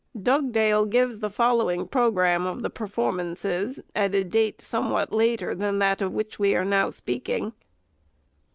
Dugdale gives the following programme of the performances at a date somewhat later than that of which we are now speaking.